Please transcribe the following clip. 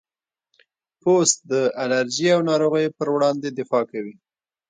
پوست د الرجي او ناروغیو پر وړاندې دفاع کوي.